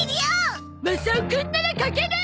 マサオくんなら描ける！